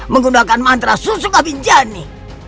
menggunakan mantra susung abinjani